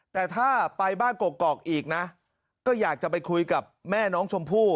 แต่ถ้าไปบ้านกกอกอีกนะก็อยากจะไปคุยกับแม่น้องชมพู่